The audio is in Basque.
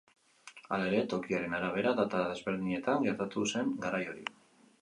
Hala ere, tokiaren arabera data desberdinetan gertatu zen garai hori.